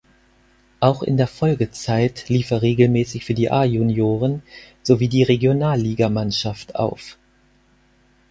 Auch in der Folgezeit lief er regelmäßig für die A-Junioren sowie die Regionalligamannschaft auf.